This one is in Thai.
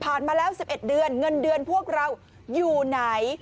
มาแล้ว๑๑เดือนเงินเดือนพวกเราอยู่ไหน